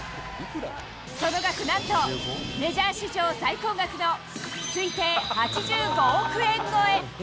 その額、なんとメジャー史上最高額の推定８５億円超え。